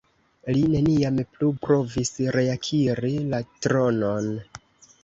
Li neniam plu provis reakiri la tronon.